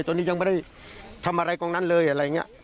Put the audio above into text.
ตัวนี้ยังไม่ได้ทำอะไรก็นั่นเลย